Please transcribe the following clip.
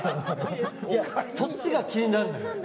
そっちが気になる。